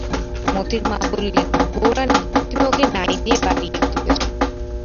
মোতির মা বললে, বউরানী, তুমিই ওকে নাই দিয়ে বাড়িয়ে তুলেছ।